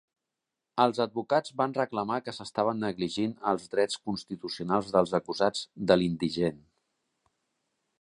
Els advocats van reclamar que s'estaven negligint els drets constitucionals dels acusats de l'indigent.